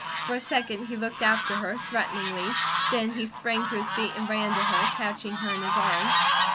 For a second he looked after her threateningly, then he sprang to his feet, and ran to her, catching her in his arms.